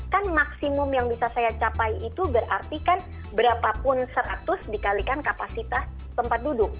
kan maksimum yang bisa saya capai itu berarti kan berapapun seratus dikalikan kapasitas tempat duduk